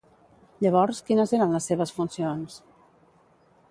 Llavors, quines eren les seves funcions?